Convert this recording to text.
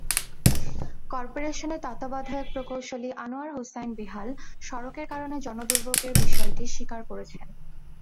করপোরেশনের তত্ত্বাবধায়ক প্রকৌশলী আনোয়ার হোছাইন বেহাল সড়কের কারণে জনদুর্ভোগের বিষয়টি স্বীকার করেছেন।